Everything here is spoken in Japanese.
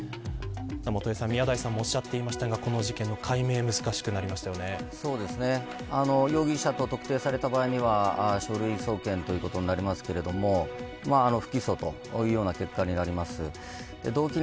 元榮さん、宮台さんもおっしゃってましたがこの事件の解明が容疑者と特定された場合には書類送検ということになりますけど不起訴というような結果になります。